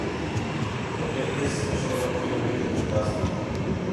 ، تو پھر کس اچھے وقت کی امید رکھی جا سکتی ہے ۔